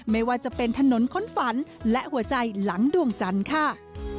ไม่ว่าจะเป็นถนนค้นฝันและหัวใจหลังดวงจันทร์ค่ะ